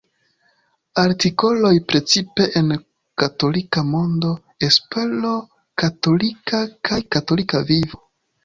Artikoloj precipe en Katolika Mondo, Espero Katolika kaj Katolika Vivo.